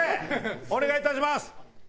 お願いいたします。